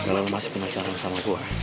kalau masih penasaran sama gue